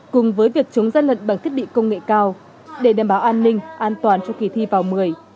cùng với việc chống gian lận bằng thiết bị công nghệ cao để đảm bảo an ninh an toàn cho kỳ thi vào một mươi